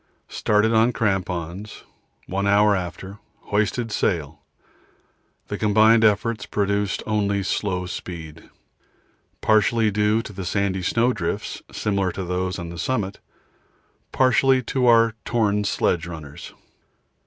Started on crampons; one hour after, hoisted sail; the combined efforts produced only slow speed, partly due to the sandy snowdrifts similar to those on summit, partly to our torn sledge runners.